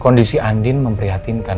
kondisi andin memprihatinkan